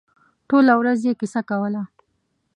ټوله ورځ یې کیسه کوله.